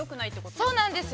◆そうなんですよ。